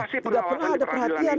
tidak pernah ada perhatian